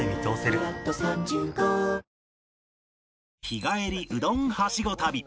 日帰りうどんハシゴ旅